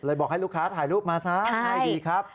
บอกให้ลูกค้าถ่ายรูปมาซะให้ดีครับ